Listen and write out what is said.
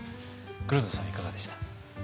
黒田さんはいかがでした？